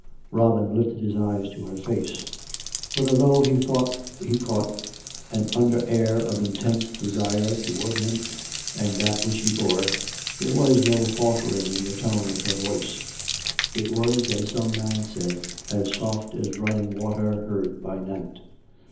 Robin lifted his eyes to her face ; but although he thought he caught an under air of intense desire towards him and That which he bore, there was no faltering in the tone of her voice. It was, as some man said, as " soft as running water heard by night."